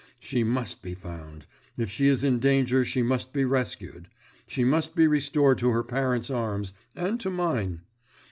She must be found; if she is in danger she must be rescued; she must be restored to her parents' arms, and to mine.